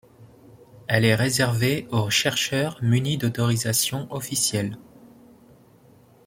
Elle est réservée aux chercheurs munis d’autorisations officielles.